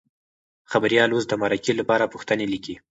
خبریال اوس د مرکې لپاره پوښتنې لیکي.